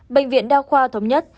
bệnh viện đa khoa thống nhất